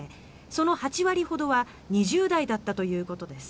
その８割ほどは２０代だったということです。